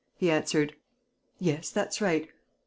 He answered: "Yes, that's right.